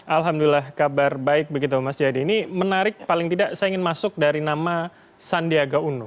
alhamdulillah kabar baik begitu mas jayadi ini menarik paling tidak saya ingin masuk dari nama sandiaga uno